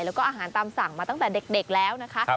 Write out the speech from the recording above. แล้วก็อาหารตามสั่งมาตั้งแต่เด็กแล้วนะคะ